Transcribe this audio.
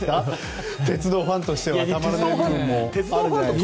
鉄道ファンとしてはたまらないんじゃないですか。